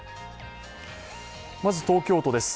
まず東京都です。